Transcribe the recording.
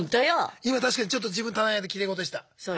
今確かにちょっと自分棚に上げてきれい事でした！